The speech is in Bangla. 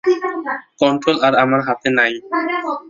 কন্ট্রোল আর আমার হাতে নেই!